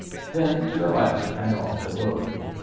Then to the left, and off the road.